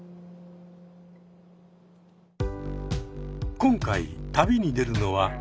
今回旅に出るのはこの人。